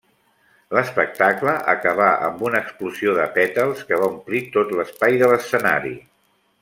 L'espectacle acabà amb una explosió de pètals que va omplir tot l'espai de l'escenari.